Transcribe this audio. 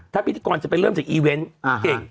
ถ้าพิธีกรจะไปเริ่มจากอีเวนต์เก่ง